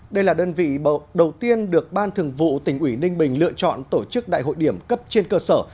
đây là đơn vị đầu tiên được ban thường vụ tỉnh ủy ninh bình lựa chọn tổ chức đại hội điểm cấp trên cơ sở